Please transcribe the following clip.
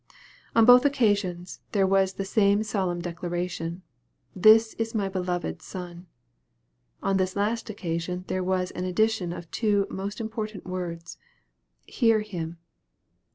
On both occasions there was the same solemn declaration " This is my beloved Sqn." On this last occasion, there was an addition of two most important words, " Hear Him."